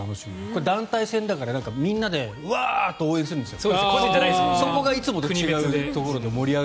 これ、団体戦だからみんなでワーッと応援するんですよ。